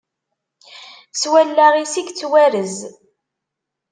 S wallaɣ-is i yettwarez.